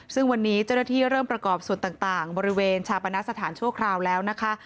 ซึ่งวันนี้เจ้าหน้าที่เริ่มประกอบส่วนต่างบริเวณชาปนสถานชั่วคราวแล้วนะคะ